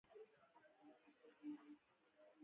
ابن بطوطه وايي چې ششنغار ته ورسېدلو.